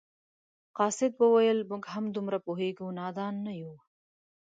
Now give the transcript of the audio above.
قاصد وویل موږ هم دومره پوهیږو نادان نه یو.